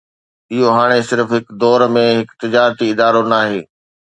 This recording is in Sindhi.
اهو هاڻي صرف هڪ دور ۾ هڪ تجارتي ادارو ناهي